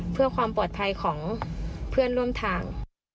เพื่อความปลอดภัยของเพื่อนร่วมทาง